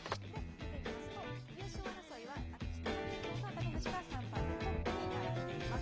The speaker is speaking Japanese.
見ていきますと、優勝争いは貴景勝と熱海富士が３敗でトップに並んでいます。